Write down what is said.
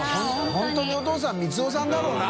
本当にお父さん光男さんだろうな？